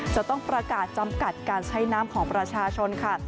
จะต้องประกาศจำกัดการใช้น้ำของประชาชนค่ะ